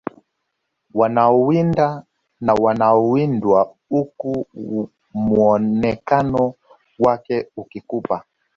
Wanaowinda na wanaowindwa huku muonekano wake ukikupa